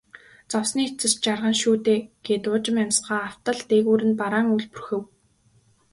Зовсны эцэст жаргана шүү дээ гээд уужим амьсгаа автал дээгүүр нь бараан үүл бүрхэв.